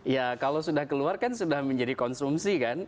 ya kalau sudah keluar kan sudah menjadi konsumsi kan